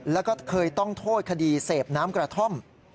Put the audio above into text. แล้วก็เคยต้องโทษคดีเสพน้ำกระท่อม